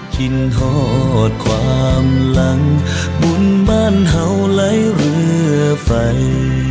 คิดหอดความหลังบุญบ้านเฮาไล่เรือไฟ